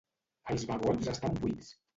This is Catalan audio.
Els vagons estan buits?